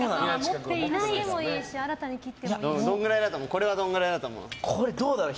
これはどんぐらいだと思う？